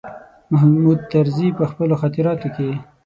محمود طرزي په خپلو خاطراتو کې.